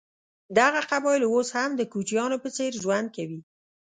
دغه قبایل اوس هم د کوچیانو په څېر ژوند کوي.